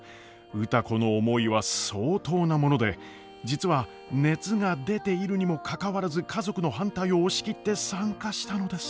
歌子の思いは相当なもので実は熱が出ているにもかかわらず家族の反対を押し切って参加したのです。